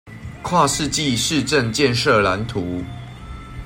跨世紀市政建設藍圖